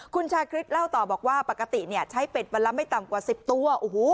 คุณชาคริสเล่าต่อบอกว่าปกติเนี่ยใช้เป็ดวันละไม่ต่ำกว่า๑๐ตัว